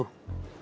dia tau juga